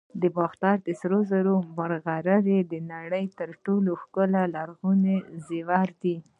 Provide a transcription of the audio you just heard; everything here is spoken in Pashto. د باختر د سرو زرو مرغۍ د نړۍ تر ټولو ښکلي لرغوني زیور دی